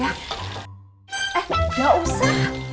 eh gak usah